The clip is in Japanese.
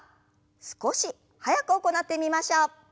少し速く行ってみましょう。